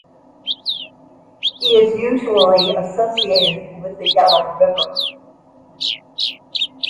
He is usually associated with the Yellow River.